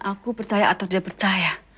aku percaya atau dia percaya